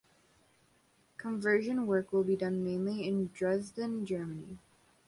Conversion work will be done mainly in Dresden, Germany.